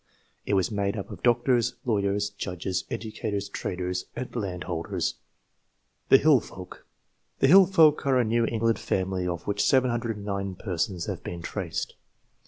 It was made up of doctors, lawyers, judges, educators, traders, and landholders. 1 The Hill Folk. The Hill Folk are a New England family of which 709 persons have been traced.